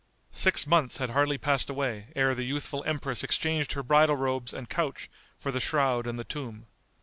Six months had hardly passed away ere the youthful empress exchanged her bridal robes and couch for the shroud and the tomb.